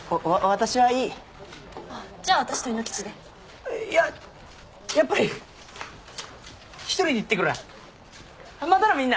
私はいいじゃあ私と亥ノ吉でいややっぱり１人で行ってくらぁまたな！